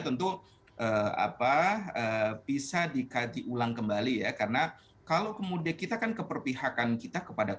tentu apa bisa dikaji ulang kembali ya karena kalau kemudian kita kan keperpihakan kita kepada